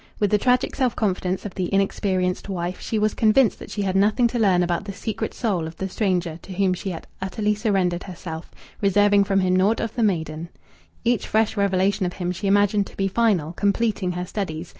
With the tragic self confidence of the inexperienced wife, she was convinced that she had nothing to learn about the secret soul of the stranger to whom she had utterly surrendered herself, reserving from him naught of the maiden. Each fresh revelation of him she imagined to be final, completing her studies.